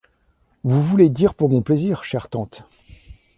Vous voulez dire pour mon plaisir, chère tante.